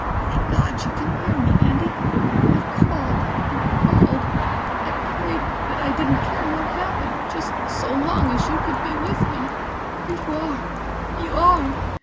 "Thank God you can hear me, Andy. I've called and called. I prayed that I didn't care what happened, just so long as you could be with me. And you are, you are.